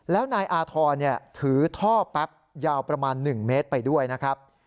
แล้วนายอาธรณ์ถือท่อแป๊บยาวประมาณ๑เมตรไปด้วยนะครับ